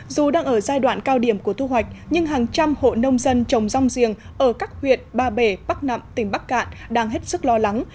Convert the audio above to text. dù đang ở giai đoạn cao điểm của thu hoạch nhưng hàng trăm hộ nông dân trồng rong giềng ở các huyện ba bể bắc nậm tỉnh bắc cạn đang hết sức lo lắng